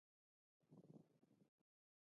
آیا ښارونه ویران نه شول؟